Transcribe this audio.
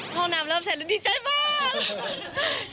ห้องน้ำเริ่มเสร็จแล้วดีใจมาก